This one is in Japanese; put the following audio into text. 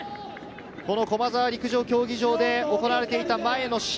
駒沢陸上競技場で行われていた前の試合